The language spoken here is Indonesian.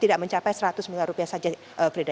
tidak mencapai rp seratus miliar saja frida